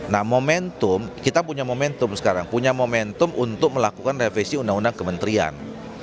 nah momentum kita punya momentum sekarang punya momentum untuk melakukan revisi undang undang kementerian